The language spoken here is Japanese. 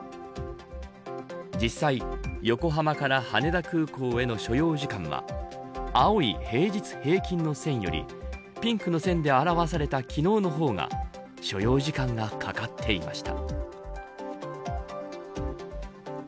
実際、横浜から羽田空港への所要時間は青い、平日平均の線よりピンクの線で表された昨日の方が所要時間がかかっていました。